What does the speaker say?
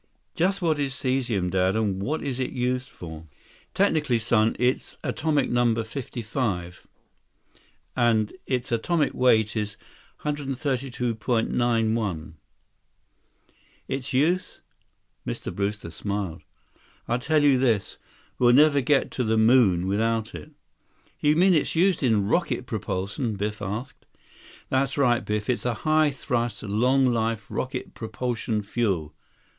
"Just what is cesium, Dad? And what is it used for?" "Technically, son, its atomic number is 55, and its atomic weight is 132.91. Its use?" Mr. Brewster smiled. "I'll tell you this, we'll never get to the moon without it." "You mean it's used in rocket propulsion?" Biff asked. "That's right, Biff. It's a high thrust, long life rocket propulsion fuel.